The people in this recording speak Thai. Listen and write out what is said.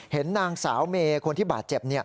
เห็นนางสาวเมย์คนที่บาดเจ็บ